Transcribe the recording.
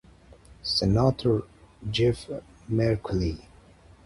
Senator Jeff Merkley.